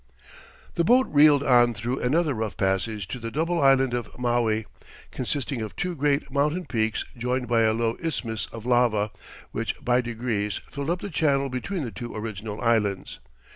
The boat reeled on through another rough passage to the double island of Maui, consisting of two great mountain peaks joined by a low isthmus of lava, which by degrees filled up the channel between the two original islands.